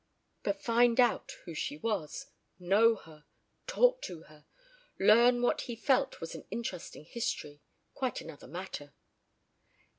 But find out who she was, know her, talk to her, learn what he felt was an interesting history quite another matter.